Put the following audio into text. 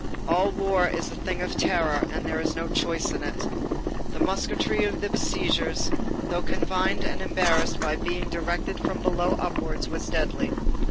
All war is a thing of terror, and there is no choice in it. The musketry of the besiegers, though confined and embarrassed by being directed from below upwards, was deadly.